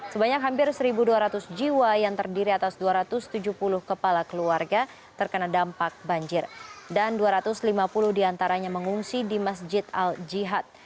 sebanyak hampir satu dua ratus jiwa yang terdiri atas dua ratus tujuh puluh kepala keluarga terkena dampak banjir dan dua ratus lima puluh diantaranya mengungsi di masjid al jihad